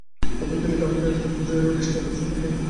অর্থাৎ তিনি কাউকে এক উট বোঝাইর বেশি খাদ্য রসদ প্রদান করতেন না।